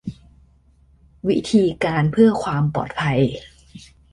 วิธีการเพื่อความปลอดภัย